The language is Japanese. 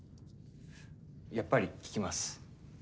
やっぱり聞きます。